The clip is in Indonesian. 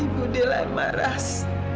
ibu dia yang marah